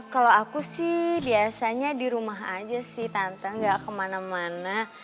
kalau aku sih biasanya di rumah aja sih tante gak kemana mana